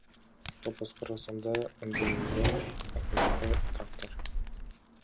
Топоз — Кыргызстанда өндүрүлгөн алгачкы трактор.